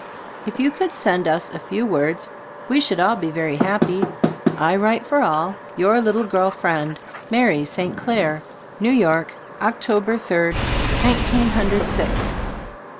If you could send us a few words, we should all be very happy. I write for all. Your little girl friend, Mary St. Clare, New York. October third, nineteen hundred, six.